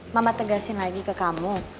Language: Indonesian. mama tegasin lagi ke kamu